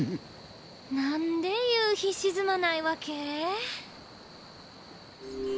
なんで夕日沈まないわけ？